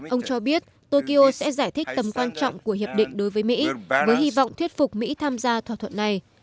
ông cho biết tokyo sẽ giải thích tầm quan trọng của hiệp định đối với mỹ với hy vọng thuyết phục mỹ tham gia thỏa thuận này